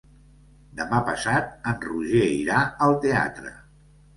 Demà passat en Roger irà al teatre.